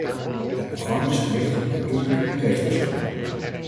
Het programma is gericht op natuurlijke en rechtspersonen.